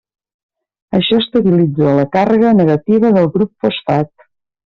Això estabilitza la càrrega negativa del grup fosfat.